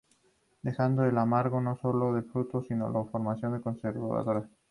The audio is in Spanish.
Dejando en Almagro no sólo el fruto sino la forma de conservación.